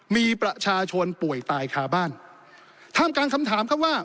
มีประชาชนป่วยตายคาบ้านท่ามกลางคำถามครับว่า